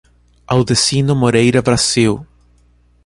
Audecino Moreira Brasil